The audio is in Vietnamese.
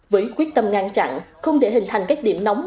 với quyết tâm ngăn chặn không thể hình thành cách điểm nóng